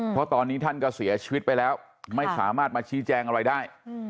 เพราะตอนนี้ท่านก็เสียชีวิตไปแล้วไม่สามารถมาชี้แจงอะไรได้